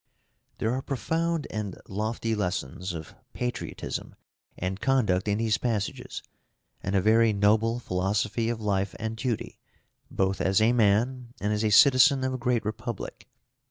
There are profound and lofty lessons of patriotism and conduct in these passages, and a very noble philosophy of life and duty both as a man and as a citizen of a great republic.